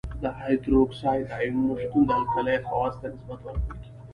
د هایدروکساید د آیونونو شتون د القلیو خواصو ته نسبت ورکول کیږي.